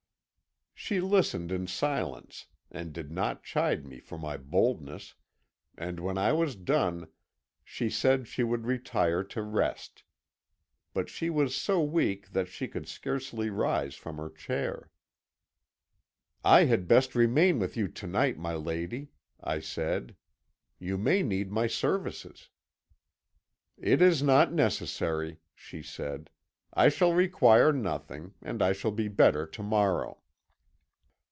"She listened in silence, and did not chide me for my boldness, and when I was done, she said she would retire to rest. But she was so weak that she could scarcely rise from her chair. "'I had best remain with you to night, my lady,' I said; 'you may need my services.' "'It is not necessary," she said; 'I shall require nothing, and I shall be better to morrow.'